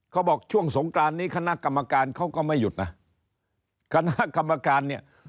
เขาบอกช่วงสงกรานนี้คณะกรรมการเขาก็ไม่หยุดนะคณะกรรมการเนี่ย